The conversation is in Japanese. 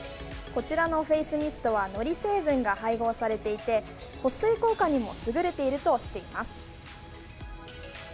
こちらのフェイスミストはのり成分が配合されていて保水効果にもすぐれているしています。